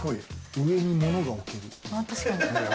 上に物が置ける。